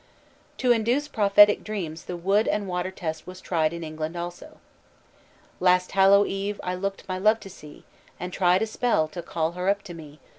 _ To induce prophetic dreams the wood and water test was tried in England also. "Last Hallow Eve I looked my love to see, And tried a spell to call her up to me.